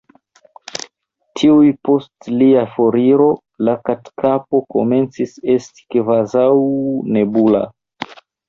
Tuj post lia foriro la Katkapo komencis esti kvazaŭ nebula.